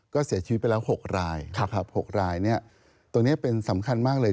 ก็เสียชีวิตไปแล้ว๖ราย๖รายเนี่ยตัวนี้เป็นสำคัญมากเลย